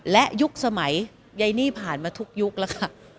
และยุคสมัยใยนี่ผ่านมาทุกยุคแล้วค่ะ